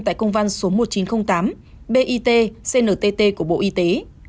tại công an số một nghìn chín trăm linh tám bit cntt của bộ y tế